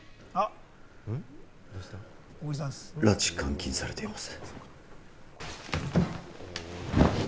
拉致監禁されています。